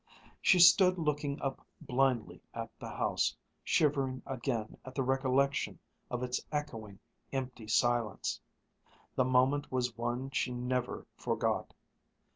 She stood looking up blindly at the house, shivering again at the recollection of its echoing, empty silence. The moment was one she never forgot.